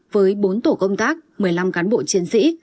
với bốn tổ công tác một mươi năm cán bộ chiến sĩ